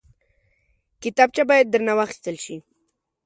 کتابچه باید درنه واخیستل شي